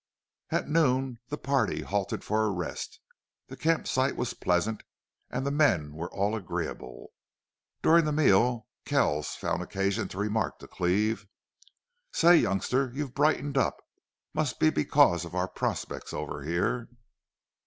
At noon the party halted for a rest. The camp site was pleasant and the men were all agreeable. During the meal Kells found occasion to remark to Cleve: "Say youngster, you've brightened up. Must be because of our prospects over here."